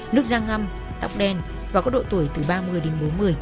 nước da ngâm tóc đen và có độ tuổi từ ba mươi đến bốn mươi